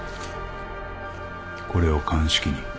これを鑑識に。